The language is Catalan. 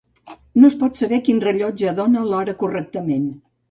No es pot saber quin rellotge dóna l'hora correctament.